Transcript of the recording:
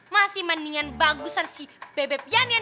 masih mendingan bagusan si bebe pianen